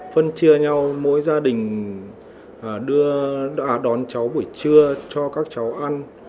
phân chia nhau mỗi gia đình đã đón cháu buổi trưa cho các cháu ăn